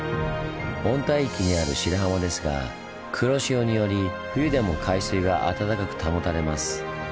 温帯域にある白浜ですが黒潮により冬でも海水が暖かく保たれます。